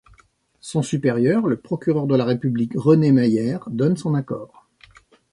Son supérieur, le procureur de la république René Meyer, donne son accord.